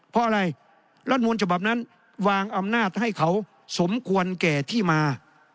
เพราะอะไรรัฐมูลฉบับนั้นวางอำนาจให้เขาสมควรแก่ที่มา